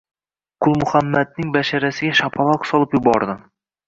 Qulmuhammadning basharasiga shapaloqlab solib yubordim.